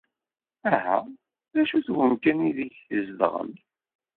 Aha, d acu n wemkan aydeg tzedɣemt?